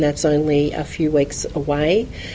dan itu hanya beberapa minggu